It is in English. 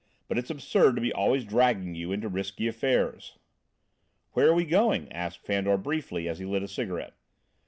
But it's absurd to be always dragging you into risky affairs." "Where are we going?" asked Fandor briefly, as he lit a cigarette.